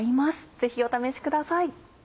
ぜひお試しください。